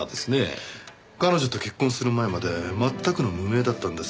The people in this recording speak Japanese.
彼女と結婚する前まで全くの無名だったんです。